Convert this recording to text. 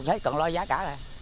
thế còn lo giá cả lại